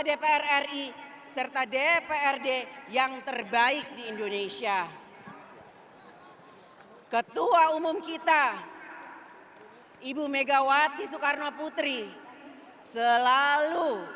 dpr ri serta dprd yang terbaik di indonesia ketua umum kita ibu megawati soekarno putri selalu